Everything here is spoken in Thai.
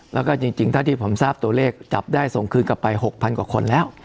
แล้วก็จริงเท่าที่ผมทราบตัวเลขจับได้ส่งคืนกลับไป๖๐๐กว่าคนแล้ว